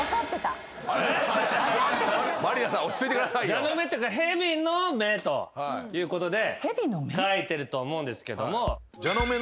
蛇の目っていうか蛇の目ということで書いてると思うんですけども。